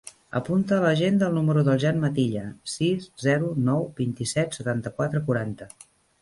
Apunta a l'agenda el número del Jan Matilla: sis, zero, nou, vint-i-set, setanta-quatre, quaranta.